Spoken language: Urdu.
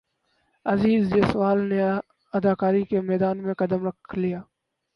عزیر جسوال نے اداکاری کے میدان میں قدم رکھ لیا